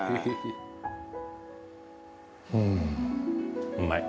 うんうまい。